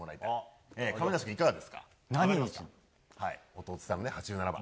弟さんね、８７番。